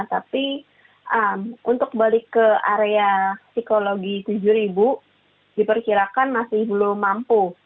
tapi untuk balik ke area psikologi tujuh diperkirakan masih belum mampu